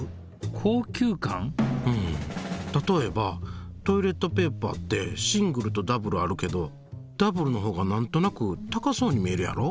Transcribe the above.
うん例えばトイレットペーパーってシングルとダブルあるけどダブルの方が何となく高そうに見えるやろ？